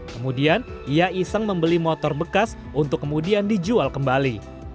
kemudian ia iseng membeli motor bekas untuk kemudian dijual kembali